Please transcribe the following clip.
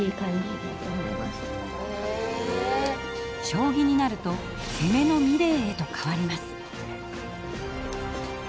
将棋になると攻めの美礼へと変わります。